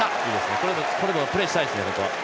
ここはプレーしたいですね。